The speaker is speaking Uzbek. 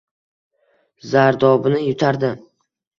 Zardobini yutardi.